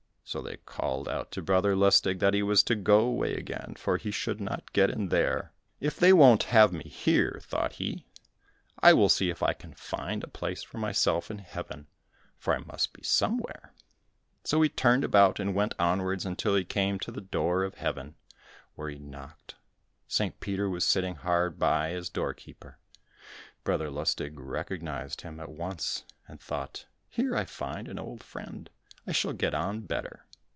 So they called out to Brother Lustig that he was to go away again, for he should not get in there! "If they won't have me here," thought he, "I will see if I can find a place for myself in heaven, for I must be somewhere." So he turned about and went onwards until he came to the door of Heaven, where he knocked. St. Peter was sitting hard by as door keeper. Brother Lustig recognised him at once, and thought, "Here I find an old friend, I shall get on better."